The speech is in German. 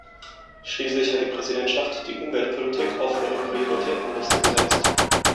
Schließlich hat die Präsidentschaft die Umweltpolitik auf ihre Prioritätenliste gesetzt.